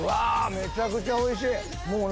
めちゃくちゃおいしい。